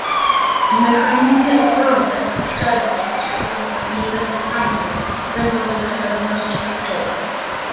Mechanizmy ochronne dopuszczalne przez Światową Organizację Handlu będą dla stabilności kluczowe